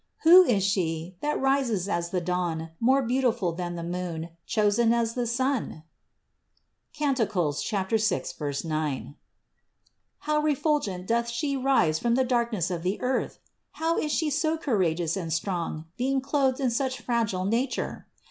Who is She, that rises as the dawn, more beautiful than the moon, chosen as the sun? (Cant. 6, 9). How refulgent doth She rise from the darkness of the earth? How is She so courageous and strong, being clothed in such fragile nature?